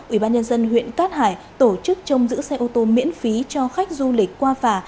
ủy ban nhân dân huyện cát hải tổ chức trông giữ xe ô tô miễn phí cho khách du lịch qua phà